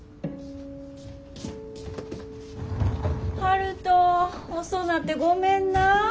悠人遅なってごめんな。